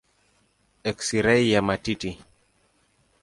Eksirei ya matiti.